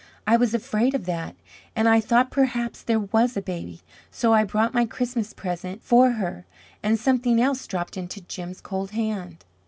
"I was afraid of that. And I thought perhaps there was a baby, so I brought my Christmas present for her," and something else dropped into Jim's cold hand.